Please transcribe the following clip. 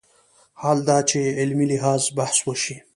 حال دا چې علمي لحاظ بحث وشي